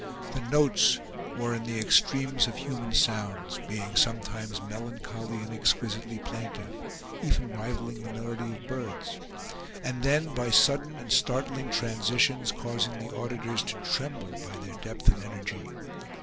The notes were in the extremes of human sounds; being sometimes melancholy and exquisitely plaintive, even rivaling the melody of birds—and then, by sudden and startling transitions, causing the auditors to tremble by their depth and energy.